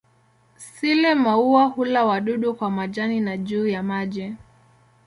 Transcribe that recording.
Sile-maua hula wadudu kwa majani na juu ya maji.